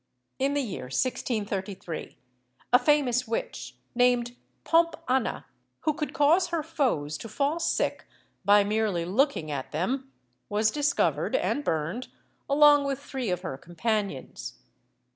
In the year 1633 a famous witch, named Pomp Anna, who could cause her foes to fall sick by merely looking at them, was discovered and burned, along with three of her companions.